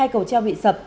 hai cầu treo bị sập